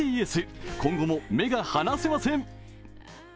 今後も目が離せません。